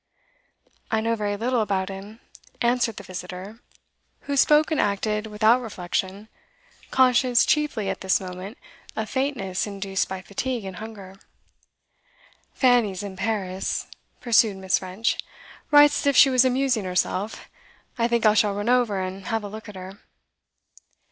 'I know very little about him,' answered the visitor, who spoke and acted without reflection, conscious chiefly at this moment of faintness induced by fatigue and hunger. 'Fanny's in Paris,' pursued Miss. French. 'Writes as if she was amusing herself. I think I shall run over and have a look at her.